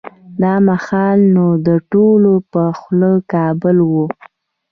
دا مهال نو د ټولو په خوله کابل و.